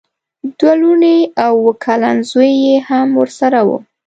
دوه لوڼې او اوه کلن زوی یې هم ورسره وو.